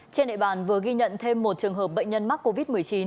trên địa bàn vừa ghi nhận thêm một trường hợp bệnh nhân mắc covid một mươi chín